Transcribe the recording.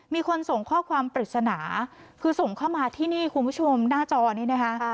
มีคนส่งข้อความปริศนาคือส่งเข้ามาที่นี่คุณผู้ชมหน้าจอนี้นะคะ